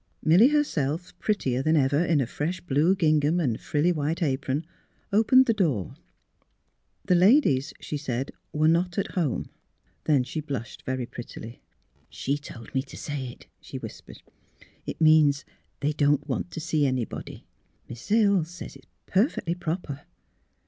Milly her self, prettier than ever in a fresh blue gingham and frilly white apron, opened the door. The ladies, she said, were not at home. Then she blushed very prettily. " She told me to say it," she whispered. '' It means — they don't want to see anybody. Mrs. Hill says it's perfectly proper."